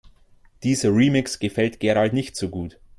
Dieser Remix gefällt Gerald nicht so gut.